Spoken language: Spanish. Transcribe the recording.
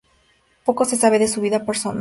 Poco se sabe de su vida personal.